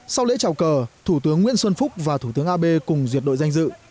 sau lễ trào cờ thủ tướng nguyễn xuân phúc và thủ tướng abe cùng duyệt đội danh dự